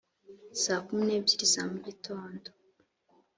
saa kumi n ebyiri za mu gitondo